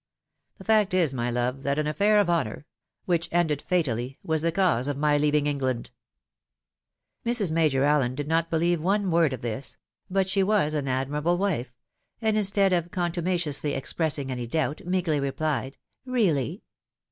The fact is, my love, that an affair of honour," which ended fatally, was the cause of my leaving England." Mrs. Major Allen did not beheve one word of this — ^but she was an admirable wife ; and instead of contumaciously express ing any doubt, meekly replied, " Really